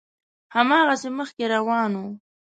هماغسې مخکې روان و.